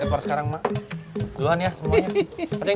sepertinya submarine hubung